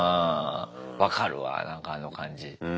わかるわなんかあの感じ。